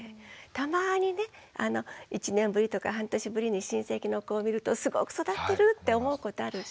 たまにね１年ぶりとか半年ぶりに親戚の子を見るとすごく育ってるって思うことある。